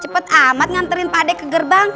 cepet amat nganterin pak d ke gerbang